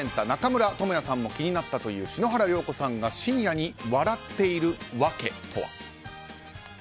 中村倫也さんも気になったという篠原涼子さんが深夜に笑っている訳とは。